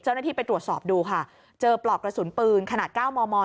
เจ้าหน้าที่ไปตรวจสอบดูค่ะเจอปลอกกระสุนปืนขนาด๙มม